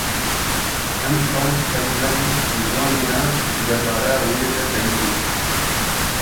Him Tom him Mary bi Johnî re di derbarê wê de peyivîn.